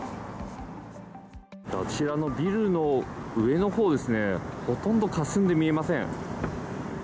あちらのビルの上のほうですね、ほとんどかすんで見えません。